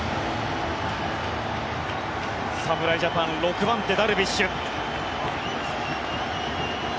侍ジャパン、６番手ダルビッシュ。